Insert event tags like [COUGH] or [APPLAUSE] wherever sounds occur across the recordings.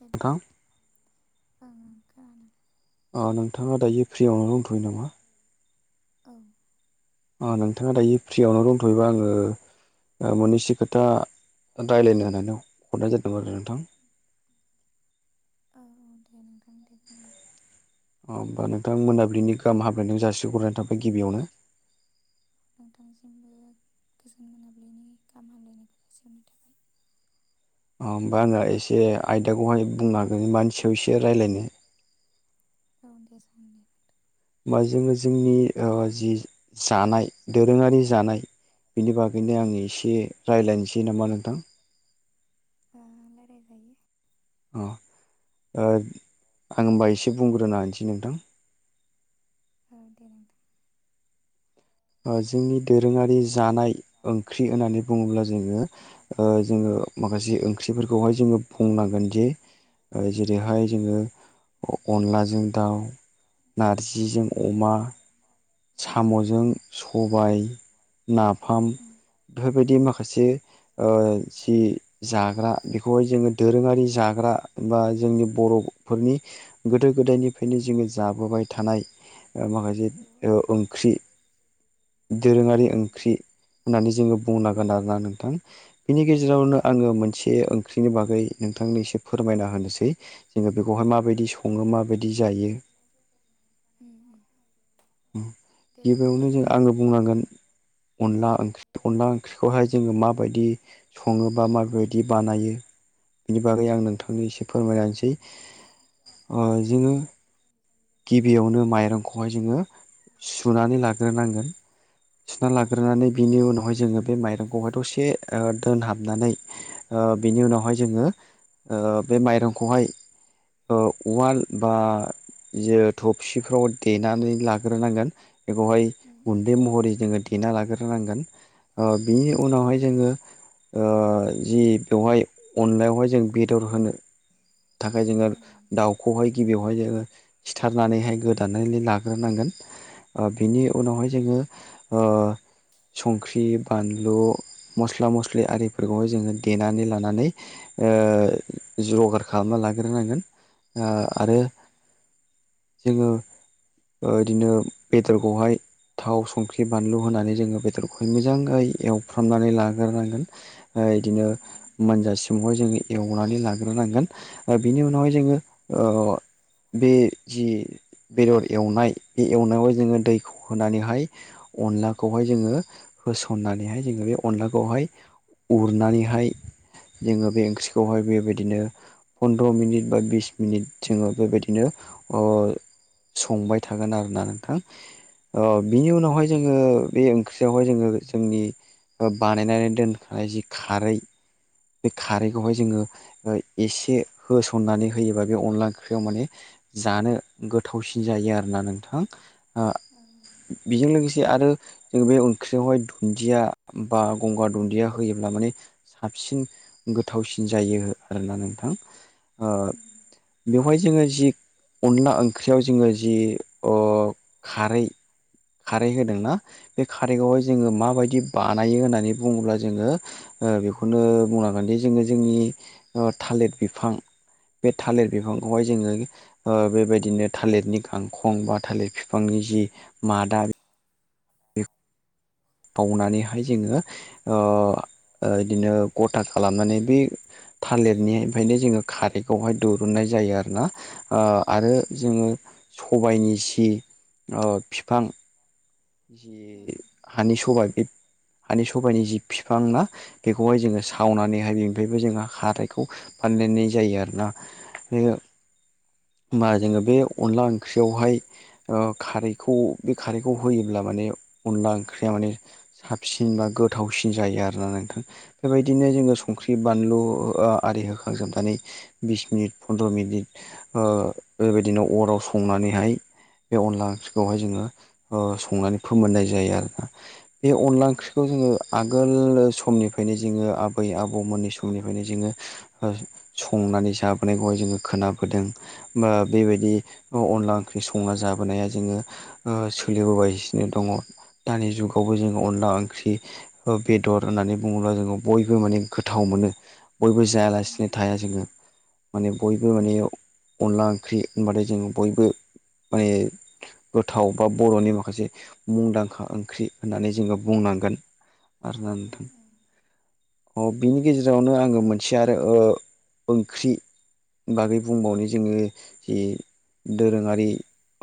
ओं नोंथां खोनादों अ नोंथाङा दायो फ्रियावनो दंथ'यो नामा ओं अ नोंथाङा दायो फ्रियावनो दंथ'योबा आङो ओ मोननैसो खोथा रायलायनो होननानै हरनाय जादोंमोन आरो नोंथां औ दे नोंथां दे बुंलाय अ होनबा नोंथां मोनाबिलिनि गाहाम हामलायनाय जासिहरनाय थाबाय गिबियावनो नोंथांसिमबो गोजोन मोनाबिलिनि गाहाम हामलायनायखौ जासिहरनाय थाबाय अ होमबा आङो एसे आयदाखौहाय बुंनानै मानि सायाव रायलायनो औ दे जागोन दे होमबा जोङो जोंनि जि जानाय दोरोङारि जानाय बिनि बागैनो आं एसे रायलायनोसै नामा नोंथां आ रायलाय जायो अ ओ आं होमबा एसे बुंग्रोना होनोसै नोंथां ओ दे नोंथां जोंनि दोरोङारि जानाय ओंख्रि होननानै बुङोब्ला जोङो ओ जोङो माखासे ओंख्रिफोरखौहाय जोङो बुंनांगोन जे जेरैहाय जोङो अनलाजों दाउ नारजिजों उम अमा उम उम साम'जों औ औ सबाय नाफाम बेफोरबायदि माखासे ओ जि जाग्रा बेखौहाय जोङो दोरोङारि जाग्रा बा जोंनि बर'फोरनि गोदो गोदायनिफ्रायनो जोङो जाबोबाय थानाय ओ माखासे ओं ओ ओंख्रि ओं दोरोङारि ओंख्रि होननानै जोङो बुंनांगोन आरोना नोंथां बिनि गेजेरावनो आङो मोनसे ओंख्रिनि बागै नोंथांनि एसे फोरमायना होनोसै जोङो बेखौहाय माबायदि सङो माबायदि जायो उम उम दे बुंलाय गिबियावनो जों नोंथां आङो बुंनांगोन अनला ओंख्रि अनला ओंख्रिखौहाय जोङो माबायदि सङो बा माबादि बानायो बिनि औ बागै उम आं नोंथांनो एसे फोरमायनानैसै आ जोङो गिबियावनो माइरंखौहाय जोङो सुनानै लाग्रोनांगोन सुना लाग्रोनानै बिनि उनावहाय जोङो बे माइरंखौहाय दसे ओ दोनहाबनानै ओ बिनि उनावहाय जोङो ओ बे माइरंखौहाय उवाल बा थबसिखौ देनानै लाग्रोनांगोन बेखौहाय गुन्दै महरै जोङो देना लाग्रोनांगोन ओ बिनि औ उनावहाय जोङो ओ जि बेवहाय अनलायावहाय जों बेदर होनो थाखाय जोङो ओं दाउ ओं खौहाय गिबियावहाय जोङो खिथारनानैहाय गोदानानै लाग्रोनांगोन ओ बिनि उनावहाय जोङो ओ संख्रि बानलु मस्ला मस्लि आरिफोरखौहाय जोङो देनानै लानानै ओ जगार खालामना लाग्रोनांगोन आ औ आरो उम जोङो ओ इदिनो बेदरखौहाय थाव संख्रि बानलु होनानै जोङो बेदरखौहय मोजाङै एवफ्रामनानै लाग्रोनांगोन ओ इदिनो उम मोनजासिमावहाय जोङो एवनानै लाग्रोनांगोन ओ बिनि उनावहाय जोङो ओ बे जि बेदर एवनाय बे एवनायाव जोङो दै होनानैहाय अनलाखौहाय जोङो होसननानैहाय जोङो बे अनलाखौहाय उरनानैहाय जोङो बे ओंख्रिखौहाय बेबायदिनो पन्द्र' मिनिट बा बिस मिनिट जोङो बेबायदिनो ओ संबाय थागोन आरोना नोंथां ओं बिनि उनावहाय जोङो बे ओं ओख्रियावहाय जोङो जोंनि ओ बानायनानै दोनखानाय जि खारै बे उम खारैखौहाय उम जोङो ओ एसे होसननानै होयोबा बे अनला ओंख्रियाव माने जानो गोथावसिन जायो आरोना नोंथां ओ ओं बेजों लोगोसे आरो जों बे ओंख्रियावहाय दुन्दिया बा गंगार दुन्दिया होयोब्ला माने साबसिन गोथावसिन जायो आरोना नोंथां ओ उम बेवहाय जोङो जि अनला ओंख्रियाव जोङो जि ओ खारै खारै होदोंना बे खारिखौहाय उम जोङो माबायदि बानायो होननानै बुङोब्ला जोङो ओ बेखौनो बुंना गोनदि जोङो ओ जोंनि थालिर बिफां बे थालिर बिफांखौहाय जोङो ओ बेबायदिनो थालिरनि गांखं बा थालिर बिफांनि जि मादा हाखावनानैहाय जोङो ओ बिदिनो गथा खालामनानै बे थालिरनि ओमफ्रायनो जोङो खारखौहाय दिरुननाय जायो आरो ना ओ उम ओं आरो जोङो सबायनि जि ओ फिफां जि हानि सबाइ बे हानि सबाइनि जि फिफां ना बेखौहाय ओं औ जोङो सावनानै बे बेनिफ्रायबो जोंहा खारैखौ फानदायनाय जायो आरोना बे होमबा औ नंगौ जोङो बे नोंथां अनला ओंख्रियावहाय खारैखौ बे खारैखौ होयोब्ला माने अनला ओंख्रिया माने साबसिन बा गोथावसिन जायो आरोना नोंथां बेबायदिनो उम जोङो उम संख्रि बानलु ओ आरि होखांजोबनानै बिस मिनिट फन्द्र मिनिट बेबायदिनो अराव संनानैहाय बे अनला ओंख्रिखौहाय जोङो ओ संनानै फोमोननाय जायो आरोना बे अनला उम ओंख्रिखौ जोङो आगोल समनिफ्रायनो जोङो आबै आबौमोननि समनिफ्रायनो जोङो संनानै जाबोनायखौहाय जोङो खोनाबोदों। बा बेबायदि अनला ओंख्रि संना जाबोनाया जोङो सोलिबोगासिनो दङ दानि जुगावबो जोङो अनला ओंख्रि बेदर होननानै बुङोब्ला जोङो बयबो माने गोथाव मोनो बयबो उम जायालासिनो थाया जोङो माने बयबो उम माने अनला ओंख्रि होनबाथाय जोङो बयबो माने गोथाव बा बर'नि माखासे मुंदांखा ओंख्रि होननानै जोङो बुंनांगोन। आरोना ओं नोंथां ओं ओ बिनि गेजेरावनो आङो मोनसे आरो ओ ओं ख्रि बागै बुंबावनो जोङो जि दोरोङारि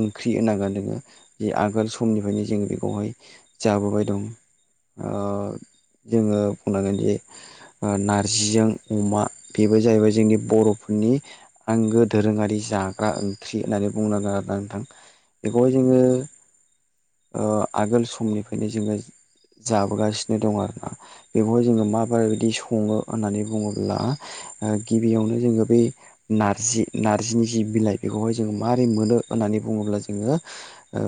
ओंख्रि होननांगोन जोङो जि आगोल समनिफ्रायनो जों बेखौहाय जाबोबाय दं। ओ जोङो बुंनांगोनदि ओ नारजिजों अमा बेबो जाहैबाय जोंनि बर'फोरनि आंगो दोरोङारि जाग्रा ओंख्रि होननानै बुंनांगोन आरो ना नोंथां बेखौहाय उम जोङो उम ओ आगोल समनिफ्रायनो जोङो जाबोगासिनो दं आरोना। बेखौहाय जोङो माबायदि सङो होननानै बुङोब्ला ओ गिबियावनो जोङो बे नार्जि नार्जिनि जि बिलाइ बेखौहाय जोङो मारै मोनो होननानै बुङोब्ला जोङो ओ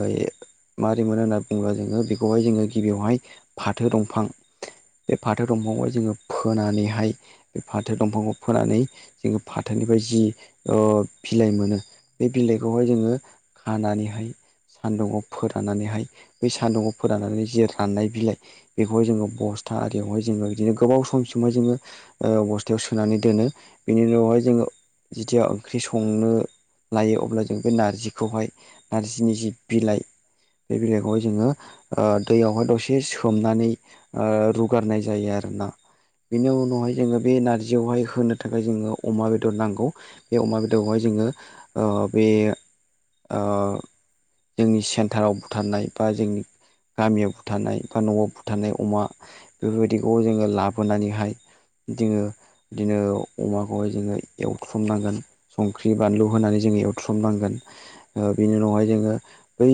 माबोरै मोनो होनना बुङोब्ला जोङो बेखौहाय जोङो गिबियावहाय फाथो दंफां बे फाथो दंफांखौहाय जोङो फोनानैहाय बे फाथो दंफांखौ फोनानै जोङो फाथोनिफ्राय जि ओ बिलाइ मोनो बे बिलाइखौहाय जोङो खानानैहाय सान्दुंङाव फोराननानैहाय बै सान्दुङाव फोराननानै जि राननाय बिलाइ बेखौहाय जोङो बस्था आरियावहाय जोङो बिदिनो गोबाव समसिमहाय जोङो ओ बस्थायाव सोनानै दोनो बेनि उनावहाय जोङो जिथिया ओंख्रि संनो लायो अब्ला जों बे नारजिखौहाय नारजिनि जि बिलाइ बे बिलाइखौहाय जोङो ओ दैयावहाय दसे सोमनानै ओ रुगारनाय जायो आरोना बेनि उनावहाय जोङो बे नारजियावहाय होनो थाखाय जोंनो अमा बेदर नांगौ बे अमा बेदरखौहाय जोङो ओ बे ओ जोंनि सेन्टाराव बुथारनाय बा जोंनि गामियाव बुथारनाय बा न'आव बुथारनाय अमा बेफोरबायदिखौ जोङो लाबोनानैहाय जोङो बिदिनो अमाखौहाय जोङो एवथ्रुमनांगोन संख्रि बानलु होनानै जोङो एवथ्रुमनांगोन बिनि उनावहाय जोङो बै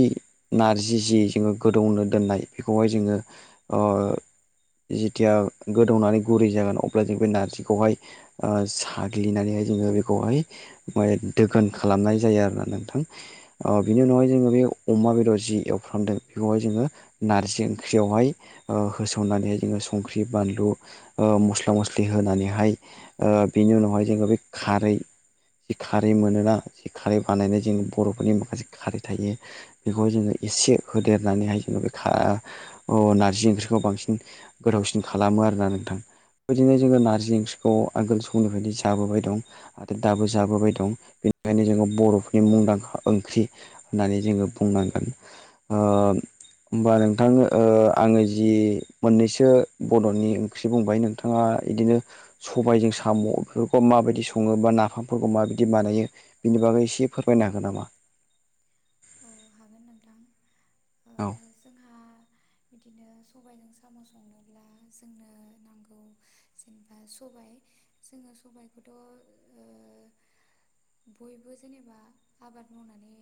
नारजि जि जोङो गोदौनो दोननाय बेखौहाय जोङो ओ जेथिया गोदौनानै गुरै जागोन अब्ला जों बे नारजिखौहाय साग्लिनानैहाय जोङो बेखौहाय माने दोगोन खालामनाय जायो आरोना नोंथां। ओं बिनि उनावहाय जोङो बे अमा बेदर जि एवफ्रामदों बेखौहाय जोङो नारजि ओंख्रियावहाय ओ होसननानैहाय जोङो संख्रि बानलु मस्ला मस्लि होनानैहाय ओ बिनि उनावहाय जोङो बे खारै जि खारै मोनोना जि खारै बानायनाय जों बर'फोरनि माखासे खारै थायो बेखौहाय जोङो एसे होदेरनानैहाय जोङो बे खा- अ नारजि ओंख्रिखौ बांसिन गोथावसिन खालामो आरोना नोंथां बिदिनो जोङो ओं नारजि अ ओंख्रि खौ आगोल समनिफ्रायनो जाबोबाय दं ओं आरो दाबो जाबोबाय दं बेनिखायनो जोङो बर'फोरनि मुंदांखा ओंख्रि होननानै जोङो बुंनांगोन। ओ होमबा नोंथां ओ आङो जि मोननैसो बड'नि ओंख्रि बुंबाय नोंथाङा बिदिनो सबायजों साम' बेफोरखौ माबायदि सङो बा नाफामफोरखौ माबायदि बानायो बिनि बागै एसे फोरमायनो हागोन नामा? औ हागोन नोंथां ओ औ जोंहा बिदिनो सबाइजों साम' संनोब्ला जोंनो नांगौ जेनेबा सबाइ जोङो सबायखौथ' ओ बयबो जेनेबा आबाद मावनानै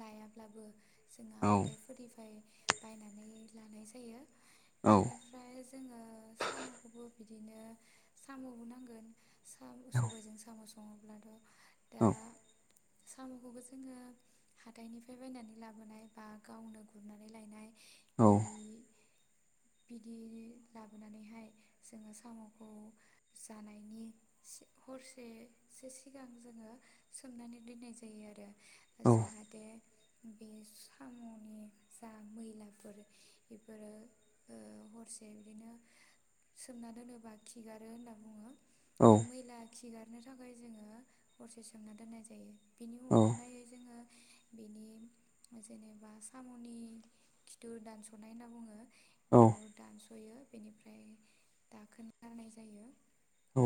लायाब्लाबो जोंहा औ हाथायफोरनिफ्राय बायनानै लानाय जायो। औ बेनिफ्राय जोङो साम'खौबो बिदिनो साम'बो नांगोन सबायजों साम' सङोब्लाथ' दा साम'खौबो जोङो हाथाइनिफ्राय बायनानै लाबोनाय बा गावनो गुरनानै लायनाय औ बिदि बिदि लाबोनानैहाय जोङो साम'खौ जानायनि हरसेसो सिगां जोङो सोमनानै दोननाय जायो आरो जाहा दे बे साम'नि जा मैलाफोर बेफोरो ओ हरसे बिदिनो सोमना दोनोबा खिगारो होनना बुङो। औ दा मैला खिगारनो थाखाय जोङो हरसे सोमना दोननाय जायो। बिनि औ अखानायै जोङो बेनि जेनेबा साम'नि खिथुर दानस'नाय होनना बुङो औ बेखौ दानस'यो बेनिफ्राय दाखोन गारनाय जायो। औ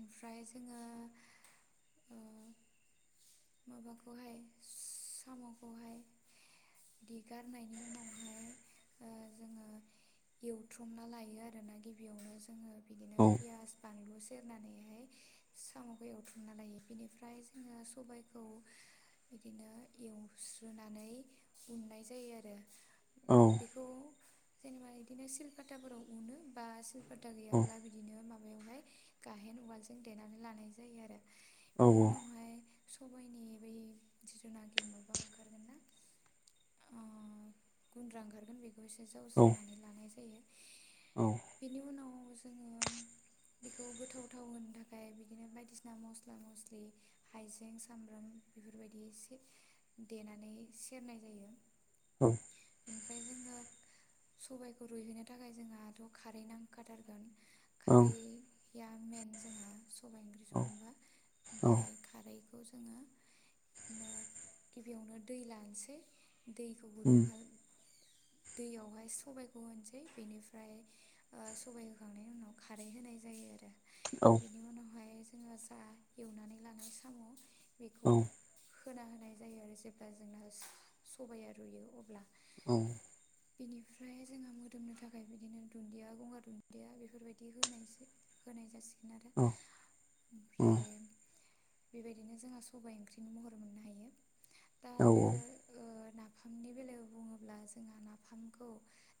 ओमफ्राय जोङो ओ माबाखौहाय साम'खौहाय दिगारनायनि उनावहाय ओ जोङो एवथुमना लायो आरोना गिबियावनो जोङो बिदिनो औ पियास बानलु सेरनानैहाय साम'खौ एवथुमना लायो बेनिफ्राय जोङो सबायखौ बिदिनो एवस्रोनानै उननाय जायो आरो। औ बेखौ जेनेबा बिदिनो सिलकाताफोराव उनो बा सिलपता गैयाब्ला बिदिनो माबायावहाय गाहेन उवालजों देनानै लानाय जायो आरो। औ बिनि ओं उनावहाय सबायनि बै जिथुनाखि माबा ओंखारगोन ना अ गुन्द्रा ओंखारगोन बे बेखौ एसे जावस्रनानै लानाय जायो। बेनि उनाव जोङो बेखौ गोथावथाव होनो थाखाय बिदिनो बायदिसिना मस्ला मस्लि हाइजें सामब्राम बेफोरबायदि इसे देनानै सेरनाय जायो। औ ओमफ्राय जोङो सबाइखौ रुइहोनो थाखाय जोंहाथ' खारै नांखाथारगोन। खारैया मेन जोंहा सबाइ ओंख्रि औ संबा ओमफ्राय खारैखौ जोङो ओ गिबियावनो दै लानोसै दैखौ गुदुं उम खालाम दैयावहाय सबायखौ होनोसै बेनिफ्राय ओ सबाय होखांनायनि उनाव खारै होनाय जायो आरो। औ बेनि उनावहाय जोङो जा एवनानै लानाय साम' औ बेखौ होना होनाय जायो आरो जेब्ला जोंना सबाया रुयो अब्ला औ बिनिफ्राय जोंहा मोदोमनो थाखाय बिदिनो दुन्दिया गंगार दुन्दिया बेफोरबायदि होनायसो। होनाय जासिगोन आरो उम ओमफ्राय औ बेबायदिनो जोंहा सबाइ ओंख्रि नि महर मोननो हायो दा आरो ओ नाफामनि बेलायाव बुङोब्ला जोंहा नाफामखौ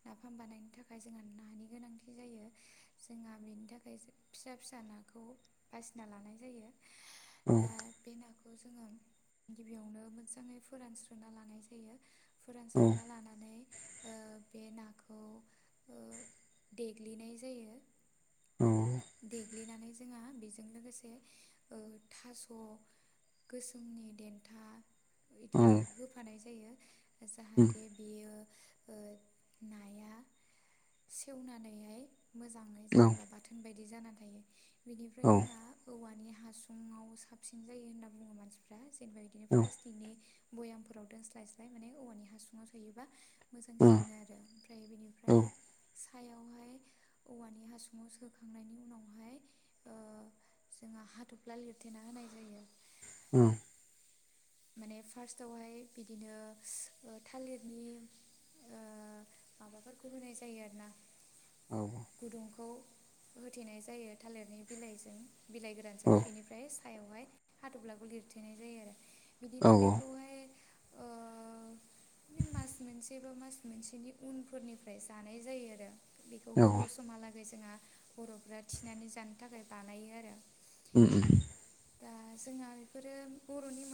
नाफाम बानायनो थाखाय जोंहा नानि गोनांथि जायो जोंहा बेनि थाखाय फिसा फिसा नाखौ बासिना लानाय जायो दा बे नाखौ जोङो गिबियावनो मोजाङै फोरानस्रोना लानाय जायो। फोरानस्रोना लानानै ओ बे नाखौ ओ देग्लिनाय जायो। औ देग्लिनानै जोंहा बेजों लोगोसे ओ थास' गोसोमनि देन्था बिदि होफानाय जायो। जाहाथे बेयो ओ नाया सेवनानैहाय मोजाङै जेनेबा बाथ बाथोन बायदि जाना थायो बिनिफ्राय जोंहा औवानि हासुुंङाव साबसिन जायो होनना बुंङो मानसिफ्रा जेनेबा बिदिनो औ प्लास्टिकनि भयामफोराव दोनस्लायस्लाय माने औवानि हासुङांव सोयोबा उम मोजांसिन आरो ओमफ्राय औ बेनिफ्राय सायावहाय औवानि हासुंङाव सोखांनायनि उनावहाय जोंङो हाथफ्ला लिरथेना होनाय जायो। [INAUDIBLE] माने फार्स्टावहाय बिदिनो थालिरनि ओ माबाफोरखौ होनाय जायो आरोना औ गुदुंखौ होथेनाय जायो। थालिरनि बिलाइजों बिलाइ गोरानजों बिनिफ्राय ओमफ्राय सायावहाय हाथब्लाखौ लिरथेनाय जायो आरो बिदिनो औ बेखौहाय ओ ओ मास मोनसे बा मास मोनसेनि उनफोरनिफ्राय जानाय जायो आरो बेखौ गोबाव औ समहालागै जोंहा बर'फ्रा थिनानै जानो थाखाय बानायो आरो ओम दा जोंहा बेफोरो बर'नि